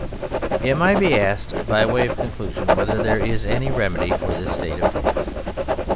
It might be asked, by way of conclusion, whether there is any remedy for this state of things.